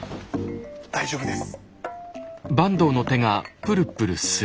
大丈夫です。